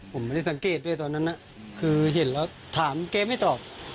ผมไม่ได้สังเกตด้วยตอนนั้นคือเห็นแล้วถามแกไม่ตอบ